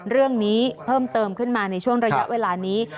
เรื่องนี้เพิ่มเติมขึ้นมาในช่วงระยะเวลานี้